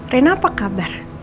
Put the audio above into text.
reina apakah bapak